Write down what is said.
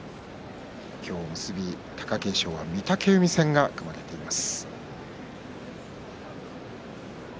今日の結び貴景勝、御嶽海戦が組まれています。